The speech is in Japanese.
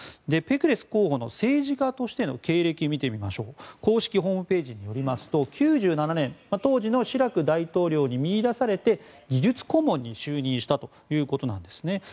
ぺクレス候補の政治家としての経歴を見てみると公式ホームページによりますと９７年、当時のシラク大統領に見いだされて技術顧問に就任したということです。